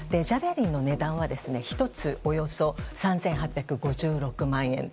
ジャベリンの値段は１つおよそ３８５６万円。